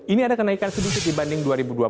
ini ada kenaikan sedikit dibanding dua ribu dua puluh